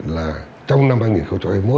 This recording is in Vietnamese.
là trong năm hai nghìn hai mươi một